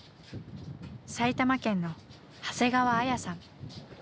埼玉県の長谷川綾さん。